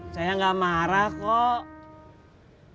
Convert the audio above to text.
saya nggak marah kok